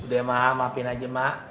udah emak maafin aja emak